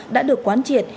đã được quán triệt